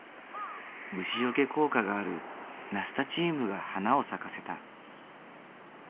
虫よけ効果があるナスタチウムが花を咲かせた。